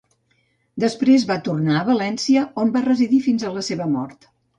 Després va tornar a València, on va residir fins a la seva mort.